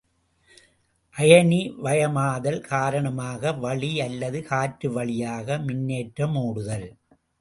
அயனிவயமாதல் காரணமாக வளி அல்லது காற்றுவழியாக மின்னேற்றம் ஒடுதல்.